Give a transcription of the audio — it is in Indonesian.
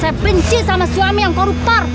saya benci sama suami yang koruptor